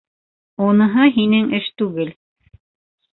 — Уныһы һинең эш түгел!